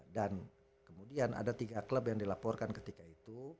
dan kemudian ada tiga klub yang dilaporkan ketika itu